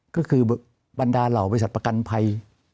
ก็คือบรรดาเหล่าบริษัทประกันภัย